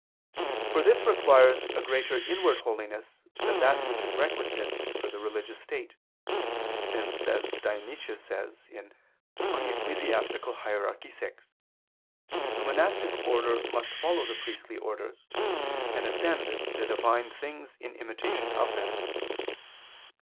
For this requires a greater inward holiness than that which is requisite for the religious state, since as Dionysius says (Eccl. Hier. vi) the monastic order must follow the priestly orders, and ascend to Divine things in imitation of them.